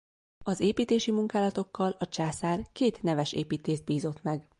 Az építési munkálatokkal a császár két neves építészt bízott meg.